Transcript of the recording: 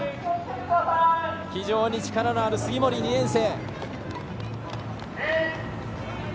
非常に力のある杉森、２年生。